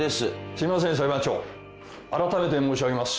すいません裁判長あらためて申し上げます。